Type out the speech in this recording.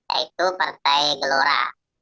yaitu partai gelora